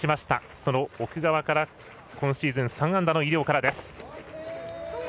その奥川から今シーズン３安打の井領からです。